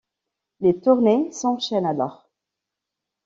Les tournées s'enchaînent alors.